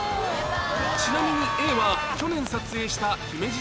ちなみに Ａ は去年撮影した姫路城の映像